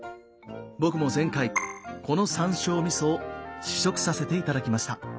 僕も前回この山椒みそを試食させていただきました。